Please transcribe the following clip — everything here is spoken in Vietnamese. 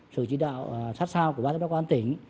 sự chỉ đạo sát sao của ban tập đoàn quán tỉnh